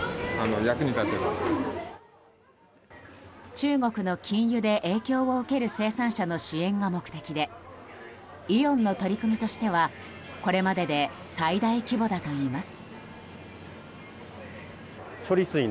中国の禁輸で影響を受ける生産者の支援が目的でイオンの取り組みとしてはこれまでで最大規模だといいます。